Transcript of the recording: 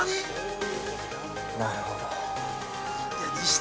◆なるほど。